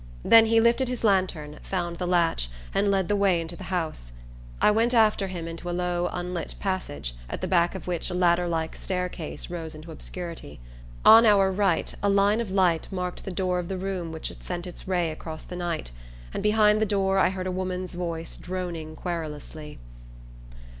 Then he lifted his lantern, found the latch, and led the way into the house. I went after him into a low unlit passage, at the back of which a ladder like staircase rose into obscurity. On our right a line of light marked the door of the room which had sent its ray across the night; and behind the door I heard a woman's voice droning querulously.